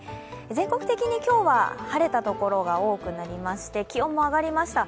全国的に今日は晴れたところが多くなりまして、気温も上がりました。